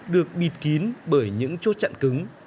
được bịt kín bởi những chốt chặn cứng